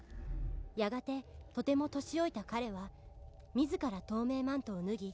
「やがてとても年老いた彼は自ら透明マントを脱ぎ」